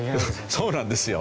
そうなんですよ。